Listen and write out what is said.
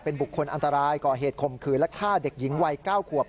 เป็นบุคคลอันตรายก่อเหตุคมคืนและฆ่าเด็กหญิงวัยเก้าขวบ